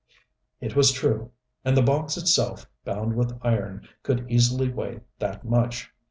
It was true. And the box itself, bound with iron, could easily weigh that much.